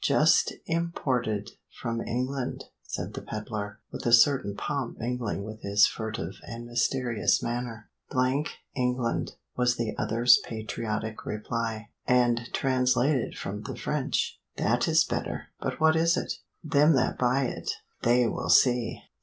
"Just imported from England," said the peddler, a certain pomp mingling with his furtive and mysterious manner. " England," was the other's patriotic reply. "And translated from the French." "That is better! but what is it?" "Them that buy it they will see!"